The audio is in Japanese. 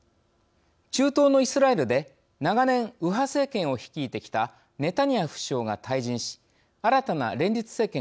中東のイスラエルで長年右派政権を率いてきたネタニヤフ首相が退陣し新たな連立政権が誕生しました。